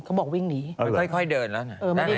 เขาบอกวิ่งหนีไม่ค่อยเดินแล้วนะ